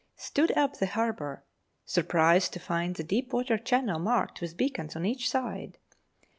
Stood up the harbour ; surprised to find the deep water channel marked with beacons on each side.